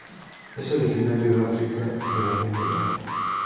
Es originario de África y del Oriente Medio.